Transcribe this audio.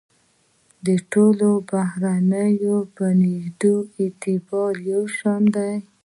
د ټولو بهیرونو په نزد یې اعتبار یو شان دی.